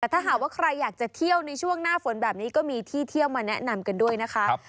แต่ถ้าหากว่าใครอยากจะเที่ยวในช่วงหน้าฝนแบบนี้ก็มีที่เที่ยวมาแนะนำกันด้วยนะคะ